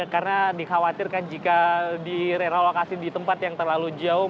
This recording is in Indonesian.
karena dikhawatirkan jika direlokasi di tempat yang terlalu jauh